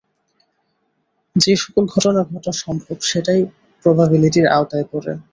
যেসকল ঘটনা ঘটা সম্ভব সেটাই প্রবাবিলিটির আয়ত্তায় পড়ে।